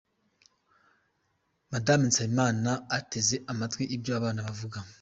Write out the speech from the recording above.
Mme Nsabimana ateze amatwi ibyo abana bavuga.